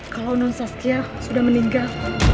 kalau nonsasya sudah meninggal